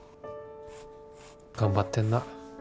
頑張ってんな。